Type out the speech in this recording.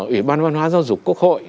ủy ban văn hóa giao dục quốc hội